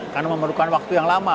karena memerlukan waktu yang lama